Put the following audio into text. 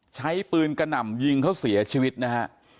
ใช้ปืนกระหน่ำยิงเขาเสียชีวิตนะฮะ